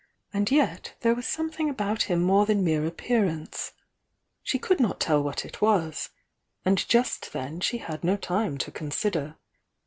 And yet there was some thing about him more than mere appearance, — she could not tell what it was, and just then she had no time to consider.